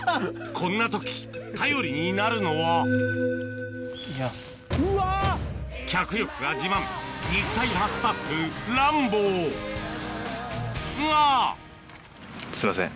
こんな時頼りになるのは脚力が自慢肉体派スタッフがすいません